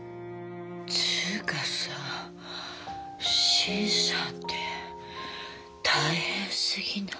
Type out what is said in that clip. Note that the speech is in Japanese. つうかさシンさんって大変すぎない？